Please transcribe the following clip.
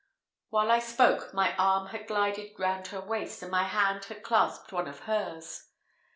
While I spoke, my arm had glided round her waist, and my hand had clasped one of hers.